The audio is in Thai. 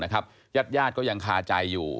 ญาติก็ยังคาใจอยู่